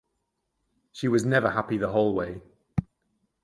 She was never happy the whole way.